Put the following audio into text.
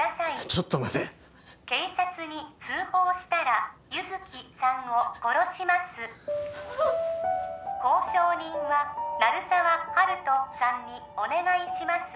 ちょっと待て警察に通報したら優月さんを殺します交渉人は鳴沢温人さんにお願いします